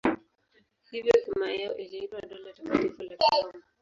Hivyo himaya yao iliitwa Dola Takatifu la Kiroma.